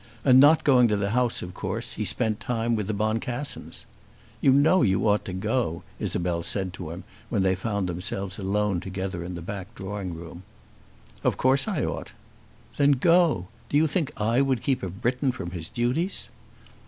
And not going to the House of course he spent the time with the Boncassens. "You know you ought to go," Isabel said to him when they found themselves alone together in the back drawing room. "Of course I ought." "Then go. Do you think I would keep a Briton from his duties?"